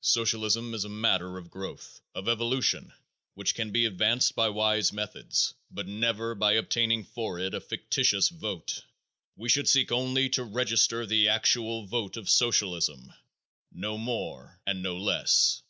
Socialism is a matter of growth, of evolution, which can be advanced by wise methods, but never by obtaining for it a fictitious vote. We should seek only to register the actual vote of socialism, no more and no less.